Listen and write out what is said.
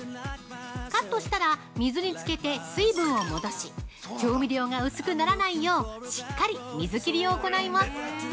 カットしたら水につけて水分を戻し調味料が薄くならないようしっかり水切りを行います。